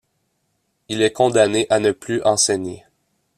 Il est condamné à ne plus enseigner.